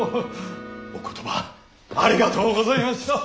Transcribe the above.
お言葉ありがとうございましたッ！